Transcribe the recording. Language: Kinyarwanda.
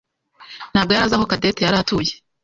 ntabwo yari azi aho Cadette yari atuye.